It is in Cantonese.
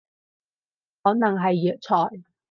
可能係藥材